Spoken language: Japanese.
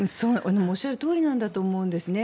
おっしゃるとおりなんだと思いますね。